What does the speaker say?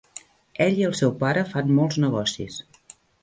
Ell i el seu pare fan molts negocis.